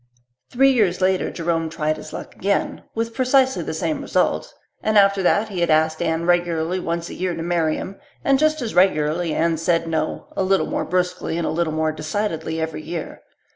Three years later Jerome tried his luck again, with precisely the same result, and after that he had asked Anne regularly once a year to marry him, and just as regularly Anne said no a little more brusquely and a little more decidedly every year.